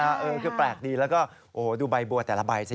เออคือแปลกดีแล้วก็โอ้โหดูใบบัวแต่ละใบสิ